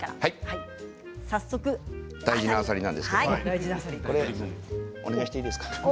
早速、大事なあさりなんですけれどもお願いしていいですか。